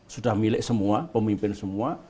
sudah milik semua pemimpin semua